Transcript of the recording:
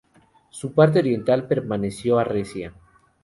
Su parte oriental perteneció a Recia.